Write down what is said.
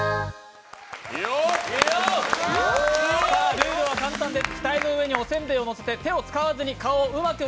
ルールは簡単です。